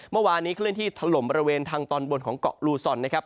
เมื่อวานนี้เคลื่อนที่ถล่มบริเวณทางตอนบนของเกาะลูซอนนะครับ